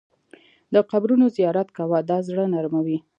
د قبرونو زیارت کوه، دا زړه نرموي.